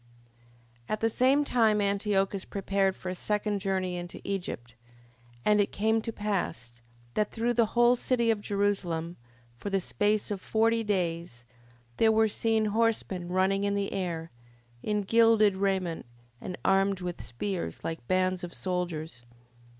5:1. At the same time Antiochus prepared for a second journey into Egypt. 5:2. And it came to pass, that through the whole city of Jerusalem, for the space of forty days, there were seen horsemen running in the air, in gilded raiment, and armed with spears, like bands of soldiers.